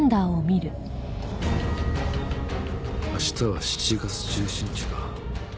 明日は７月１７日か。